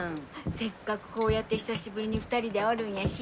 せっかくこうやって久しぶりに２人でおるんやし。